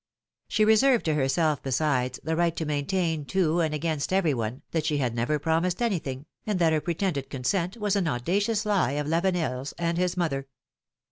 She reserved to herself, besides, the right to maintain to and against every one, that she had never promised any thing, and that her pretended consent was an audacious lie of Lavenel's and his mother.